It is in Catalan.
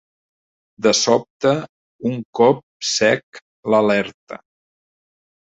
De sobte, un cop sec l'alerta.